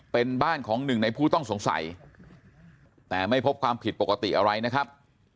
เป็นบ้านของหนึ่งในผู้ต้องสงสัยแต่ไม่พบความผิดปกติอะไรนะครับ